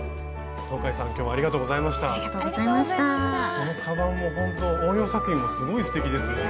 そのカバンもほんと応用作品もすごいすてきですよね。